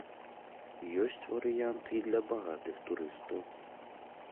Ёсць варыянт і для багатых турыстаў.